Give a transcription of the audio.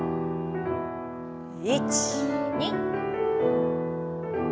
１２。